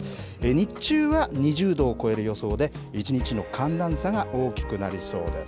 日中は２０度を超える予想で、一日の寒暖差が大きくなりそうです。